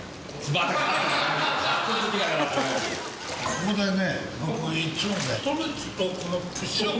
ここでね。